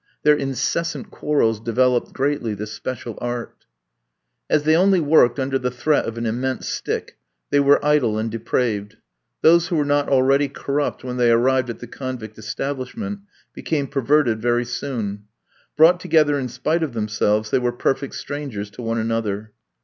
Their incessant quarrels developed greatly this special art. As they only worked under the threat of an immense stick, they were idle and depraved. Those who were not already corrupt when they arrived at the convict establishment, became perverted very soon. Brought together in spite of themselves, they were perfect strangers to one another.